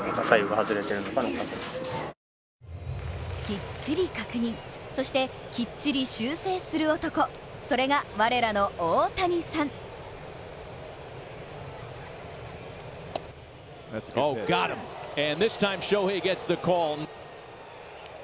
きっちり確認、そしてきっちり修正する男、それが我らのオオタニサン。